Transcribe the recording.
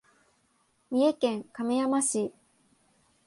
三重県亀山市